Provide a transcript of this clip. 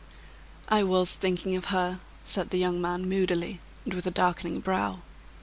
"I was thinking of her," said the young man moodily, and with a darkening brow.